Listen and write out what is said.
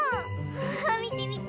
みてみて。